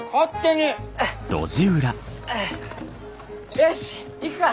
よし行くか！